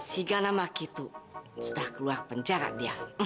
siga nama gitu sudah keluar penjara dia